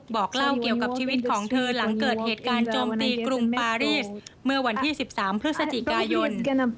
บอกเล่าเกี่ยวกับชีวิตของเธอหลังเกิดเหตุการณ์โจมตีกรุงปารีสเมื่อวันที่๑๓พฤศจิกายน